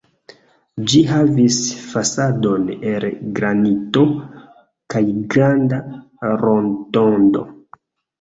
Ĝi havis fasadon el granito kaj granda rotondo.